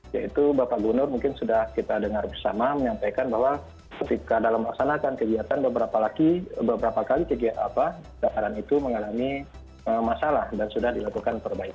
yaitu bapak gubernur mungkin sudah kita dengar bersama menyampaikan bahwa ketika dalam melaksanakan kegiatan beberapa kali kegiatan itu mengalami masalah dan sudah dilakukan perbaikan